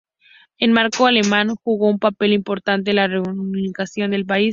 El marco alemán jugó un papel importante en la reunificación del país.